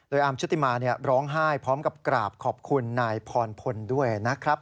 อาร์มชุติมาร้องไห้พร้อมกับกราบขอบคุณนายพรพลด้วยนะครับ